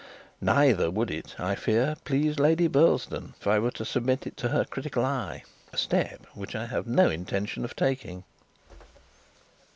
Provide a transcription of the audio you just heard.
Neither would it, I fear, please Lady Burlesdon, if I were to submit it to her critical eye a step which I have no intention of taking.